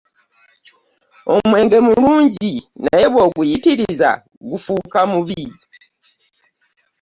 Omwenge mulungi naye bw'oguyitiriza gufuuka mubi.